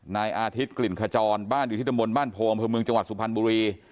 นายอาทิตย์กลิ่นขจรบ้านอยู่ที่ตำบลบ้านโพอำเภอเมืองจังหวัดสุพรรณบุรี